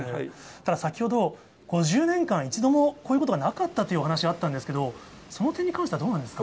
ただ先ほど５０年間、一度もこういうことがなかったというお話があったんですが、その点に関してはどうお考えですか。